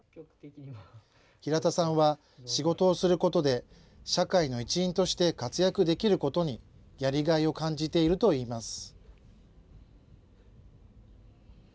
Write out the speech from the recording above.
平田さんは、仕事をすることで、社会の一員として活躍できることにやりがいを感じているといいます。